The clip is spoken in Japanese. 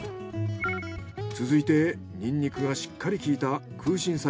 続いてニンニクがしっかり効いたそれが空心菜。